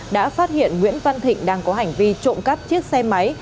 đã phát hiện nguyễn văn thịnh đang có hành vi trộm cắp chiếc xe máy